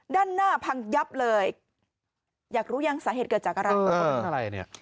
ด้านหน้าพังยับเลยอยากรู้ยังสาเหตุเกิดจากอะไรเนี่ย